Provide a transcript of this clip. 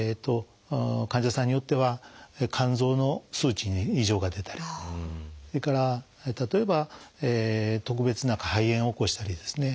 患者さんによっては肝臓の数値に異常が出たりそれから例えば特別肺炎を起こしたりですね